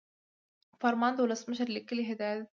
فرمان د ولسمشر لیکلی هدایت دی.